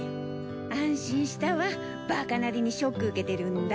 安心したわ。ばかなりにショック受けてるんだ。